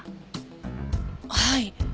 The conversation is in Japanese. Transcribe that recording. はい。